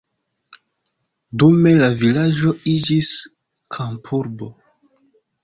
Dume la vilaĝo iĝis kampurbo.